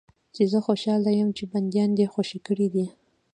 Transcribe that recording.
چې زه خوشاله یم چې بندیان دې خوشي کړي دي.